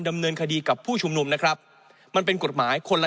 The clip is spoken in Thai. ดำเนินคดีกับผู้ชุมนุมนะครับมันเป็นกฎหมายคนละ